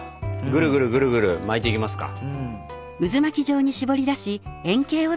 ぐるぐるぐるぐる巻いていきますか。